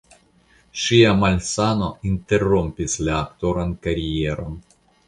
Ŝia malsano interrompis la aktoran karieron.